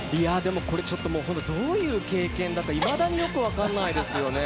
これどういう経験だかいまだによく分からないですよね。